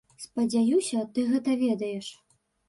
Спадзяюся, ты гэта ведаеш.